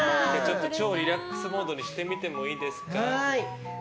超リラックスモードにしてみてもいいですか。